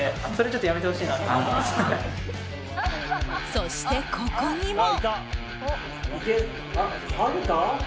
そして、ここにも。